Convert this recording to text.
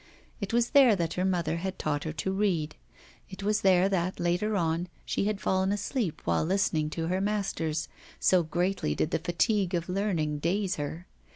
It was there that her mother had taught her to read; it was there that, later on, she had fallen asleep while listening to her masters, so greatly did the fatigue of learning daze her.